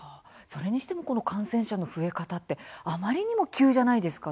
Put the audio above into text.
それにしてもこの感染者の増え方ってあまりにも急じゃないですか？